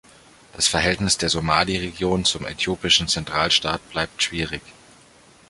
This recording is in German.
Das Verhältnis der Somali-Region zum äthiopischen Zentralstaat bleibt schwierig.